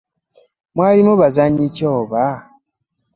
Mwalimu bazannyi ki abo?